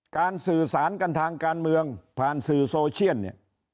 สื่อสารกันทางการเมืองผ่านสื่อโซเชียลเนี่ย